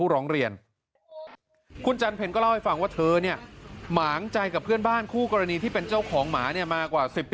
ลงเดินกันแถมสายปุ๊บเลยครับ